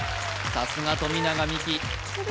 さすが富永美樹